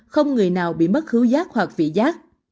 không người nào bị mất hữu giác hoặc vị giác